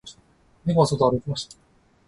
猫が外を歩いていました